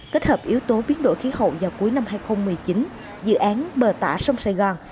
kết hợp yếu tố biến đổi khí hậu vào cuối năm hai nghìn một mươi chín dự án bờ tả sông sài gòn